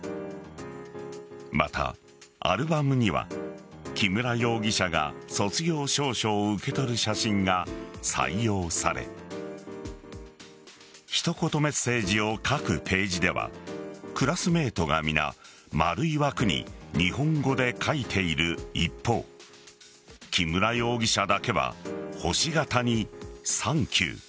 また、アルバムには木村容疑者が卒業証書を受け取る写真が採用され一言メッセージを書くページではクラスメイトが皆、丸い枠に日本語で書いている一方木村容疑者だけは星形にサンキュー。